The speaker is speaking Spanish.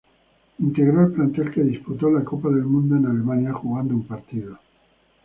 Integró el plantel que disputó la Copa del Mundo en Alemania, jugando un partido.